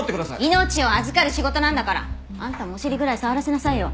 命を預かる仕事なんだからあんたもお尻ぐらい触らせなさいよ。